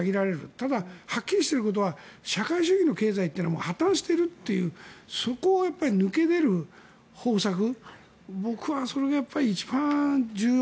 ただ、はっきりしていることは社会主義の経済というのは破たんしているというそこを抜け出る方策が僕はそれが一番重要。